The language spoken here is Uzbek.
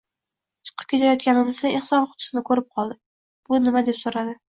Chiqib ketayotganimizda ehson qutisini koʻrib qoldi, bu nima deb soʻradi.